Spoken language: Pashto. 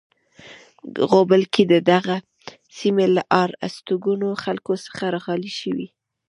غوبل کې دغه سیمې له آر استوګنو خلکو څخه خالی شوې.